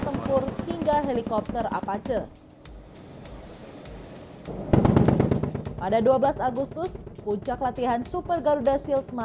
tempur hingga helikopter apache pada dua belas agustus puncak latihan super garuda shield